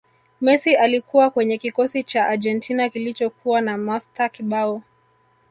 messi alikuwa kwenye kikosi cha argentina kilichokuwa na mastaa kibao